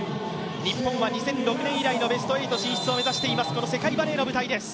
日本は２００６年以来のベスト８進出を目指しています、この世界バレーの舞台です。